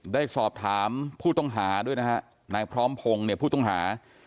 ได้สอบถามผู้ต้องหาด้วยนะฮะนายพร้อมพงศ์เนี่ยผู้ต้องหา